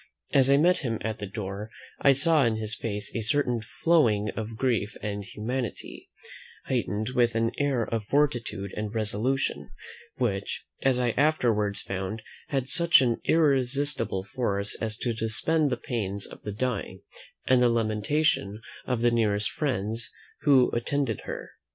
As I met him at the door, I saw in his face a certain glowing of grief and humanity, heightened with an air of fortitude and resolution, which, as I afterwards found, had such an irresistible force, as to suspend the pains of the dying, and the lamentation of the nearest friends who attended her.